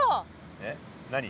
えっ何？